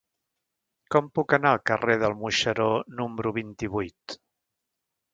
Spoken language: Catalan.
Com puc anar al carrer del Moixeró número vint-i-vuit?